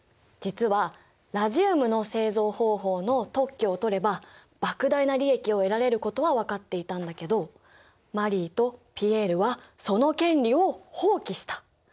実はラジウムの製造方法の特許を取ればばく大な利益を得られることは分かっていたんだけどマリーとピエールはその権利を放棄した。